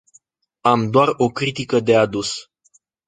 Am doar o critică de adus.